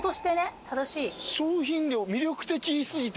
商品量魅力的過ぎて。